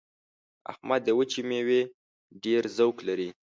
احمد د وچې مېوې ډېر ذوق لري.